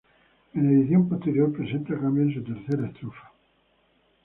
En edición posterior presenta cambios en su tercera estrofa.